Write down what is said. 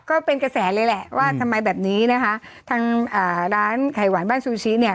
ก็เป็นกระแสเลยแหละว่าทำไมแบบนี้นะคะทางอ่าร้านไข่หวานบ้านซูชิเนี่ย